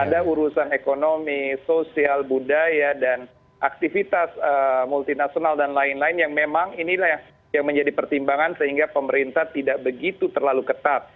ada urusan ekonomi sosial budaya dan aktivitas multinasional dan lain lain yang memang inilah yang menjadi pertimbangan sehingga pemerintah tidak begitu terlalu ketat